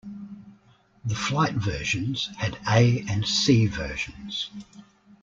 The flight versions had A and C versions.